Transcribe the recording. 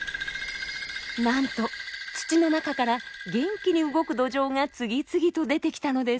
なんと土の中から元気に動くドジョウが次々と出てきたのです。